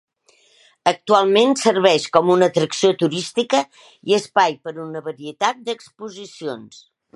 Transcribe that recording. Actualment serveix com una atracció turística i espai per a una varietat d'exposicions.